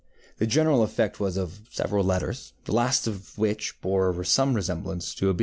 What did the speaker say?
The general effect was of several letters, the last of which bore some resemblance to a B.